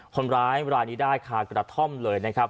คนร้ายรายนี้ได้คากระท่อมเลยนะครับ